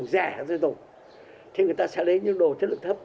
người ta sử dụng rẻ hay dễ dùng thì người ta sẽ lấy những đồ chất lượng thấp